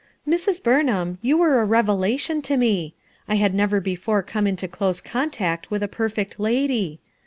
"Mrs. Burnhain, you were a revelation to me. I had never before come into close con tact with a perfect lady.